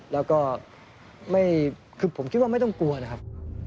แล้วก็คือผมคิดว่าไม่ต้องกลัวนะครับ